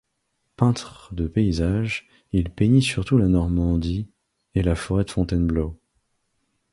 Peintre de paysages, il peignit surtout la Normandie et la forêt de Fontainebleau.